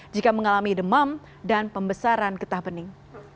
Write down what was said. jika mengalami demam dan pembesaran ketah pening